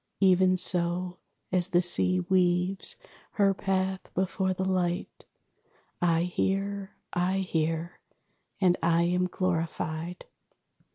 Even so, As the Sea weaves her path before the light, I hear, I hear, and I am glorified.